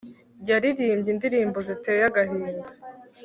Yaririmbye indirimbo ziteye agahinda